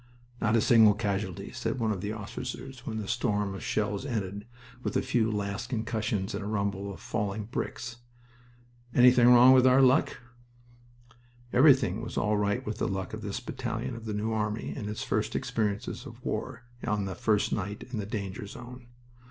"Not a single casualty," said one of the officers when the storm of shells ended with a few last concussions and a rumble of falling bricks. "Anything wrong with our luck?" Everything was all right with the luck of this battalion of the New Army in its first experience of war on the first night in the danger zone.